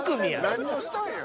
何をしたんや。